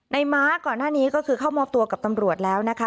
ม้าก่อนหน้านี้ก็คือเข้ามอบตัวกับตำรวจแล้วนะคะ